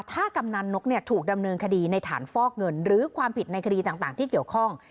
ถ้ากำนันนกถูกดำเนินคดีในฐานฟอกเงินหรือความผิดในคดีต่างที่เกี่ยวข้อง